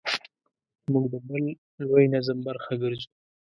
موږ د بل لوی نظم برخه ګرځو.